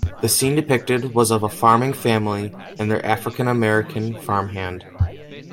The scene depicted was of a farming family and their African American farm hand.